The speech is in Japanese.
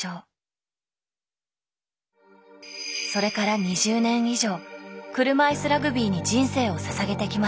それから２０年以上車いすラグビーに人生をささげてきました。